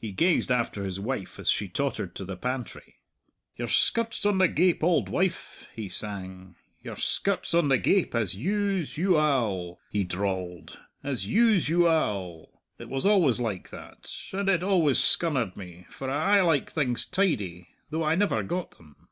He gazed after his wife as she tottered to the pantry. "Your skirt's on the gape, auld wife," he sang; "your skirt's on the gape; as use u al," he drawled; "as use u al. It was always like that; and it always scunnered me, for I aye liked things tidy though I never got them.